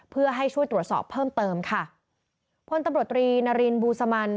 เพื่อให้ช่วยตรวจสอบเพิ่มเติมค่ะพลตำรวจตรีนารินบูสมัน